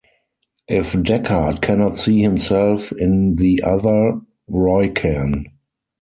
If Deckard cannot see himself in the other, Roy can.